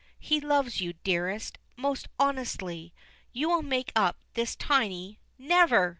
He loves you, dearest, most honestly. You will make up this tiny " "Never!"